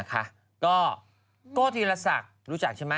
ก็โก้ทีละศักดิ์รู้จักใช่มั้ย